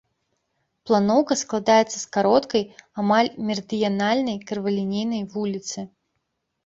Планоўка складаецца з кароткай, амаль мерыдыянальнай крывалінейнай вуліцы.